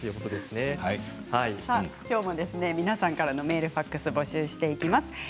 きょうも皆さんからのメール、ファックスを募集していきます。